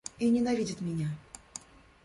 И ненавидит меня.